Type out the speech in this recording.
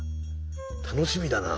楽しみだな。